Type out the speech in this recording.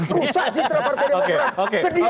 rusak citra partai demokrat sedih